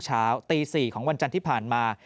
เช้าตี๔ของวันจันทร์ที่ผ่านมา